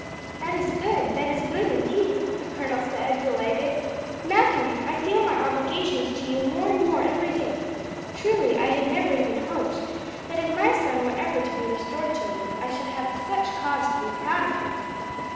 "That is good, that is good, indeed," the colonel said, delighted. "Malcolm, I feel my obligations to you more and more every day. Truly I had never even hoped that if my son were ever to be restored to me, I should have such cause to be proud of him."